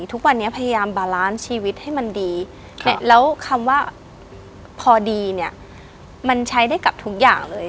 ทุกวันนี้พยายามบาลานซ์ชีวิตให้มันดีแล้วคำว่าพอดีเนี่ยมันใช้ได้กับทุกอย่างเลย